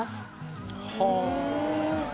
「はあ！」